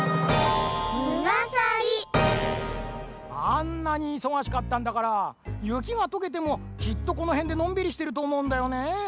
あんなにいそがしかったんだからゆきがとけてもきっとこのへんでのんびりしてるとおもうんだよね。